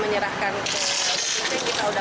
tinggal tunggu hasilnya dulu ya